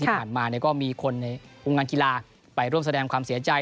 ที่ผ่านมาก็มีคนในวงการกีฬาไปร่วมแสดงความเสียใจ